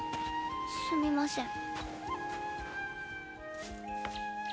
すみません。